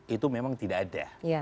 itu memang tidak ada